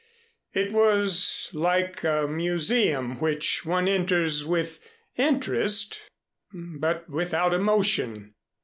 It was like a museum which one enters with interest but without emotion.